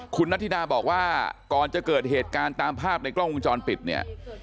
คุณนัทธิดาบอกว่าก่อนจะเกิดเหตุการณ์ตามภาพในกล้องวงจรปิดเนี่ย